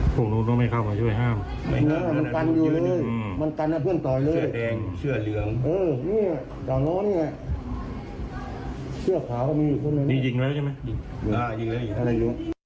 มันหยิงไว้ใช่ไหมอ่ายิงไว้อะไรจริง